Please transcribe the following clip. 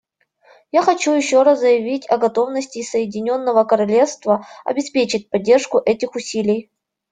Я хочу еще раз заявить о готовности Соединенного Королевства обеспечить поддержку этих усилий.